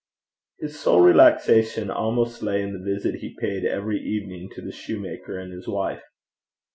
His sole relaxation almost lay in the visit he paid every evening to the soutar and his wife.